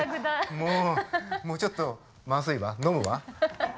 もうもうちょっとまずいわ飲むわ。